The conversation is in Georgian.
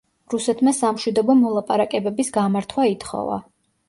რუსეთმა სამშვიდობო მოლაპარაკებების გამართვა ითხოვა.